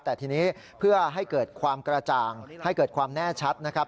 แต่ทีนี้เพื่อให้เกิดความกระจ่างให้เกิดความแน่ชัดนะครับ